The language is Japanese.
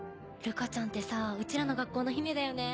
ルカちゃんってさうちらの学校の姫だよね。